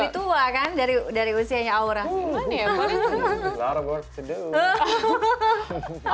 banyak yang harus dilakukan